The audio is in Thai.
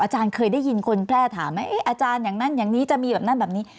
อาจารย์เคยได้ยินคนแพร่ถามไหมอาจารย์อย่างนั้นอย่างนี้จะมีแบบนั้นแบบนี้